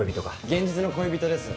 「現実の恋人です！」